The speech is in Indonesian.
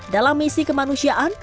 dalam misi kemanusiaan